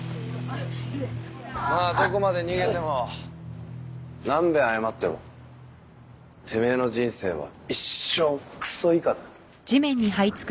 まあどこまで逃げても何遍謝ってもてめえの人生は一生クソ以下だ。